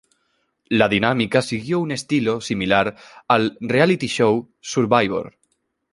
La dinámica siguió un estilo similar al reality show "Survivor".